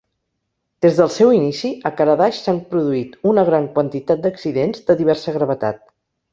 Des del seu inici, a Cadarache s'han produït una gran quantitat d'accidents, de diversa gravetat.